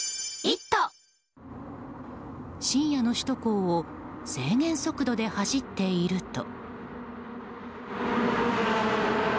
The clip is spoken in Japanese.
深夜の首都高を制限速度で走っていると。